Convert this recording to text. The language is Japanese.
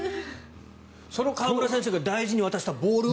その河村選手が大事に渡したボールを。